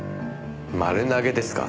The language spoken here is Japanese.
丸投げですか。